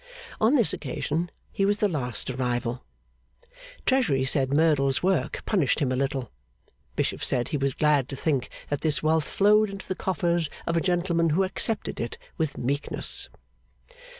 On this occasion, he was the last arrival. Treasury said Merdle's work punished him a little. Bishop said he was glad to think that this wealth flowed into the coffers of a gentleman who accepted it with meekness.